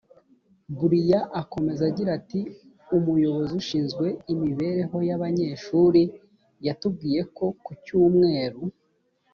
brian akomeza agira ati umuyobozi ushinzwe imibereho y abanyeshuri yatubwiye ko ku cyumweru